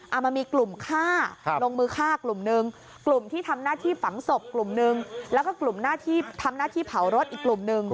เอามันมีกลุ่มฆ่าลงมือฆ่ากลุ่มหนึ่งกลุ่มที่ทำหน้าที่ฝังศพกลุ่มหนึ่งแล้วก็กลุ่มทำหน้าที่เผารถอีกกลุ่มหนึ่ง